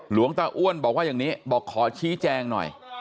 หลวงตาอ้วนบอกว่าอย่างนี้บอกขอชี้แจงหน่อย